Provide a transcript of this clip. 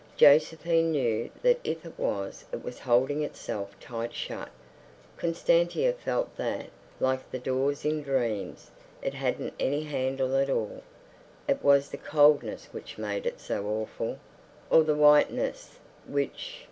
Josephine knew that if it was it was holding itself tight shut; Constantia felt that, like the doors in dreams, it hadn't any handle at all. It was the coldness which made it so awful. Or the whiteness—which?